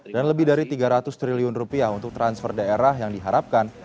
dan lebih dari tiga ratus triliun rupiah untuk transfer daerah yang diharapkan